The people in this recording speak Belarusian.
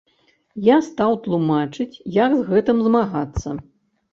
Я стаў тлумачыць, як з гэтым змагацца.